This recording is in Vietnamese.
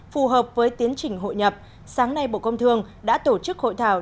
phù hợp với tiến trình hội nhập sáng nay bộ công thương đã tổ chức hội thảo